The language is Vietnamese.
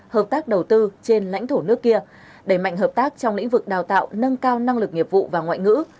hợp tác đầu tư trên lãnh thổ nước kia đẩy mạnh hợp tác trong lĩnh vực đào tạo nâng cao năng lực nghiệp vụ và ngoại ngữ